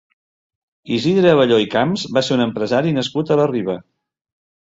Isidre Abelló i Camps va ser un empresari nascut a la Riba.